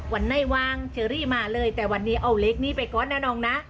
วันไหนวางเชอรี่มาเลยแต่วันนี้เอาเล็กนี้ไปก่อนนะน้องนะ